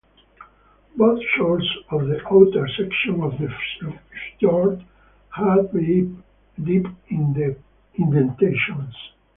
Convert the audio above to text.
Both shores of the outer section of the fjord have deep indentations.